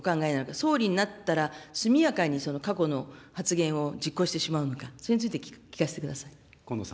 総理になったら、速やかに過去の発言を実行してしまうのか、それについて聞かせてください。